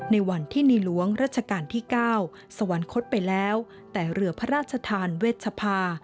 ในวันที่ในหลวงรัชกาลที่๙สวรรคตไปแล้วแต่เรือพระราชทานเวชภา